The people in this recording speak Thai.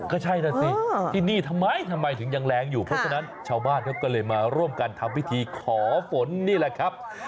ก็ใช่นะสิที่นี่ทำไมทำไมถึงยังแรงอยู่เพราะฉะนั้นชาวบ้านเขาก็เลยมาร่วมกันทำพิธีขอฝนนี่แหละครับ